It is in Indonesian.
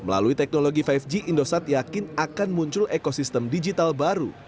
melalui teknologi lima g indosat yakin akan muncul ekosistem digital baru